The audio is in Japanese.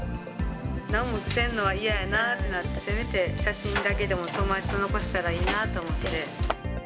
なんもせんのは嫌やなってなって、せめて写真だけでも、友達と残せたらいいなと思って。